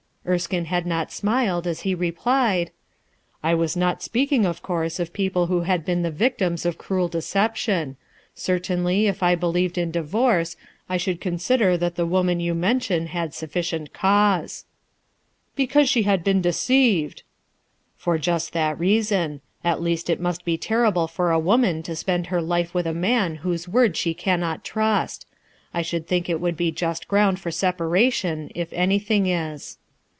Erskine had not smiled as he replied: — "I was not speaking, of course, of people who had been the victims of cruel deception; cer tainly if I believed in divorccj I should consider that the woman you mention had sufficient cause," 222 RUTH ERSKINETS SON "Because she had been deceived I M "For just that reason At least it must be terrible for a woman to spend her life with a man whose word she cannot trust. I should think it would be just ground for separation if anything is."